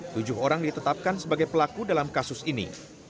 tujuh orang ditetapkan sebagai pelaku dalam kasus ini